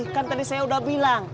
kan tadi saya sudah bilang